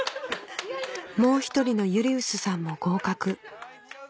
もう１人のユリウスさんも合格